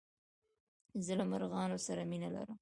زه له مرغانو سره مينه لرم.